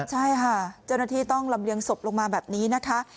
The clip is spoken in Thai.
ใช่ค่ะเจ้าหน้าที่ต้องลำเลียงศพลงมาแบบนี้นะคะ